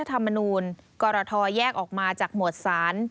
ธรรมนูลกรทแยกออกมาจากหมวดศาล